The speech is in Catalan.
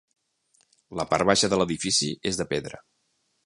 La part baixa de l'edifici és de pedra.